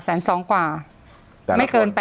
แต่ละคน